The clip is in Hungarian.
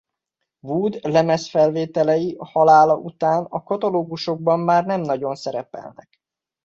Wood lemezfelvételei halála után a katalógusokban már nem nagyon szerepelnek.